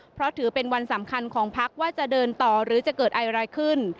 เพราะถือเป็นวันสำคัญของพักว่าจะเดินต่อหรือจะเกิดอะไรขึ้น